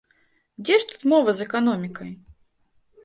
Дзе ж тут мова з эканомікай?